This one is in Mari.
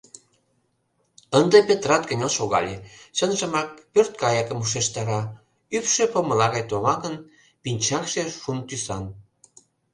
— Ынде Петрат кынел шогале, чынжымак пӧрткайыкым ушештара: ӱпшӧ помыла гай товаҥын, пинчакше шун тӱсан.